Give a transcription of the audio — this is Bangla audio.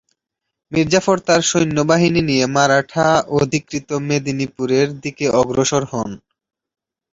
মীর জাফর তার সৈন্যবাহিনী নিয়ে মারাঠা-অধিকৃত মেদিনীপুরের দিকে অগ্রসর হন।